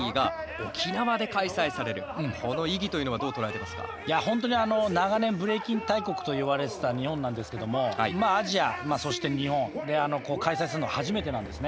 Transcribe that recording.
いや本当にあの長年ブレイキン大国といわれてた日本なんですけどもまあアジアそして日本で開催するの初めてなんですね。